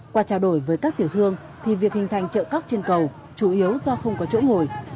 qua trao đổi với các tiểu thương thì việc hình thành chợ cóc trên cầu chủ yếu do không có chỗ ngồi